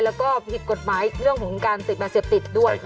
แล้วก็ผิดกฎหมายเรื่องของการเสพยาเสพติดด้วย